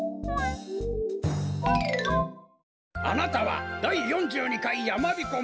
あなたはだい４２かいやまびこ